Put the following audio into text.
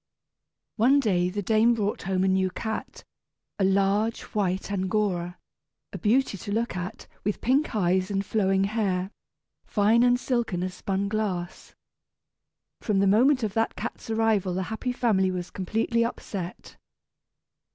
One day the dame brought home a new cat, a large, white Angora, a beauty to look at, with pink eyes and flowing hair, fine and silken as spun glass. From the moment of that cat's arrival the happy family was completely upset.